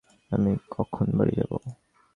আমি কখন বাড়ি যাব?